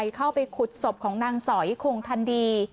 เข้าไปขุดศพของนางสอยคงทันดี